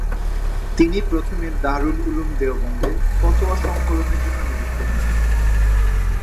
তিনি প্রথমে দারুল উলুম দেওবন্দে ফতোয়া সংকলনের জন্য নিযুক্ত হন।